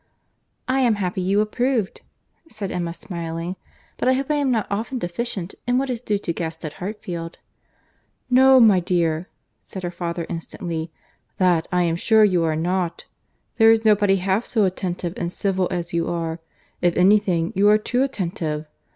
"I am happy you approved," said Emma, smiling; "but I hope I am not often deficient in what is due to guests at Hartfield." "No, my dear," said her father instantly; "that I am sure you are not. There is nobody half so attentive and civil as you are. If any thing, you are too attentive.